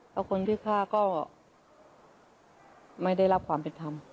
แล้วคนที่ฆ่าก็ไม่ได้รับความเป็นธรรม